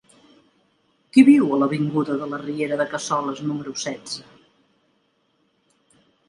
Qui viu a l'avinguda de la Riera de Cassoles número setze?